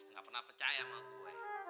nggak pernah percaya sama gue